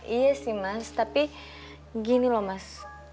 iya sih mas tapi gini loh mas